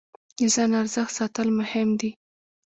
د ځان ارزښت ساتل مهم دی.